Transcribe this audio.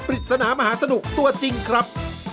ปริศนามหาสนุกตัวจริงครับ